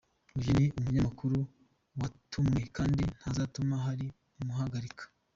Uyu ni umunyamakuru watumwe kandi ntazatuma hari umuhagarika.